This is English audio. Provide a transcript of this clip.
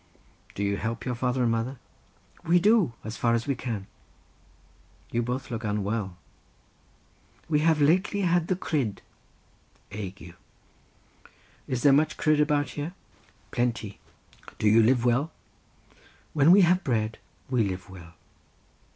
"Do you help your father and mother?" "We do; as far as we can." "You both look unwell." "We have lately had the cryd" (ague). "Is there much cryd about here?" "Plenty." "Do you live well?" "When we have bread we live well."